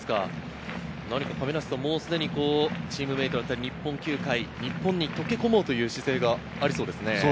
もうすでにチームメート日本球界、日本にとけ込もうという姿勢がありそうですね。